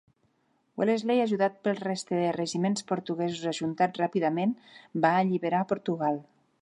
Wellesley, ajudat pel reste de regiments portuguesos ajuntats ràpidament, va alliberar Portugal.